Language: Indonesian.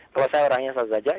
kalau saya orangnya saja